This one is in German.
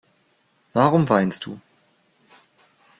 Warum weinst du?